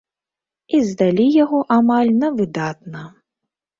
І здалі яго амаль на выдатна.